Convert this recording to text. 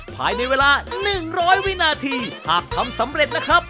ภายในเวลา๑๐๐วินาทีหากทำสำเร็จนะครับ